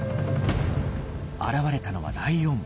現れたのはライオン。